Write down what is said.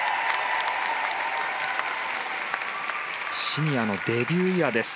シニアのデビューイヤーです。